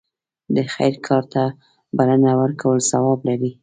د خیر کار ته بلنه ورکول ثواب لري.